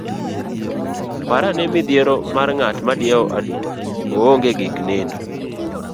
parane midhiero mar ng'at madiewo aduwo, oonge gik nindo,